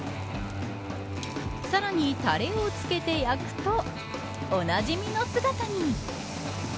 さらにタレをつけて焼くとおなじみの姿に。